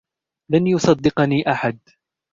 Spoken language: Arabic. لن يصدقني أحد